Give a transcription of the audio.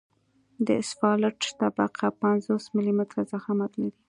د اسفالټ طبقه پنځوس ملي متره ضخامت لري